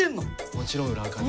もちろん裏アカで。